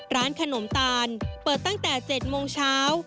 ร้านขนมตาลเปิดตั้งแต่๗โมงเช้า